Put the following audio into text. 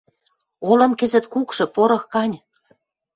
Олым кӹзӹт кукшы, порох гань...